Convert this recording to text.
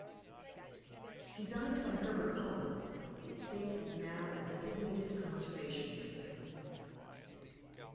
Designed by Herbert Collins, the estate is now a designated conservation area.